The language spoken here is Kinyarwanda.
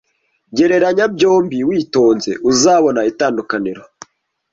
Gereranya byombi witonze, uzabona itandukaniro